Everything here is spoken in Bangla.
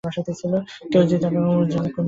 কেউ কি তা যায় না কুন্দ?